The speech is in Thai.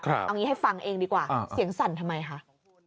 เอางี้ให้ฟังเองดีกว่าเสียงสั่นทำไมคะ